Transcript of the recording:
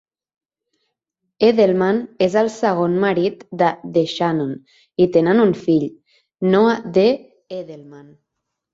Edelman és el segon marit de DeShannon i tenen un fill, Noah D. Edelman.